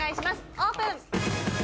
オープン！